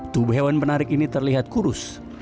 tubuh hewan penarik ini terlihat kurus